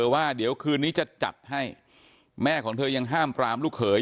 ว่าเดี๋ยวคืนนี้จะจัดให้แม่ของเธอยังห้ามปรามลูกเขย